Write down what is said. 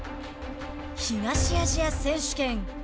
東アジア選手権。